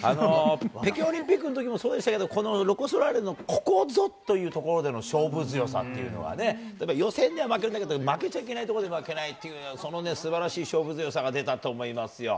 北京オリンピックのときもそうでしたけど、このロコ・ソラーレの、ここぞというところでの勝負強さっていうのはね、予選では負けるんだけど、負けちゃいけないところで負けないっていう、そのね、すばらしい勝負強さが出たと思いますよ。